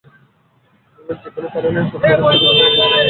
যে-কোনো কারণেই হোক মানুষটা বিরত বোধ করছেন।